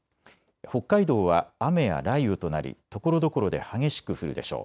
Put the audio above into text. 北海道は雨や雷雨となりところどころで激しく降るでしょう。